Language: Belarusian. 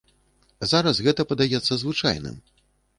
Зараз гэта падаецца звычайным.